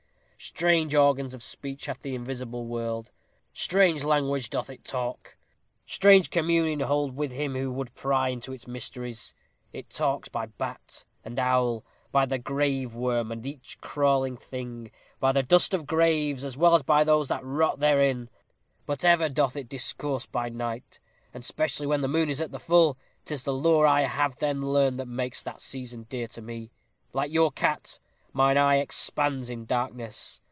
Strange organs of speech hath the invisible world; strange language doth it talk; strange communion hold with him who would pry into its mysteries. It talks by bat and owl by the grave worm, and by each crawling thing by the dust of graves, as well as by those that rot therein but ever doth it discourse by night, and specially when the moon is at the full. 'Tis the lore I have then learned that makes that season dear to me. Like your cat, mine eye expands in darkness.